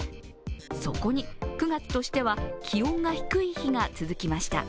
そこに、９月としては気温が低い日が続きました。